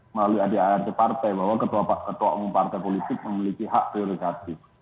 melalui adart partai bahwa ketua umum partai politik memiliki hak prerogatif